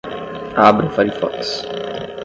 Abra o firefox.